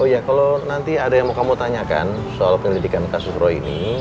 oh ya kalau nanti ada yang mau kamu tanyakan soal penyelidikan kasus roy ini